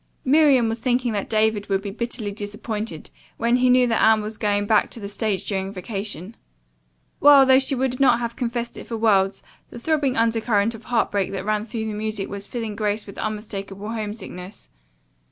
Miriam was thinking that David would be bitterly disappointed when he knew that Anne was going back to the stage during vacation. While, though she would not have confessed it for worlds, the throbbing undercurrent of heart break that ran through the music was filling Grace with unmistakable homesickness.